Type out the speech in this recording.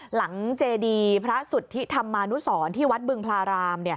เจดีพระสุทธิธรรมานุสรที่วัดบึงพลาราม